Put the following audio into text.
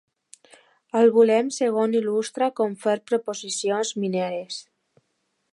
Al volum segon il·lustra com fer prospeccions mineres.